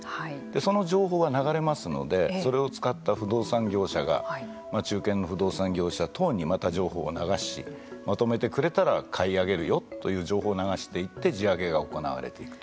その情報は流れますのでそれを使った不動産業者が中堅の不動産業者等にまた情報を流しまとめてくれたら買い上げるよという情報を流していって地上げが行われていくと。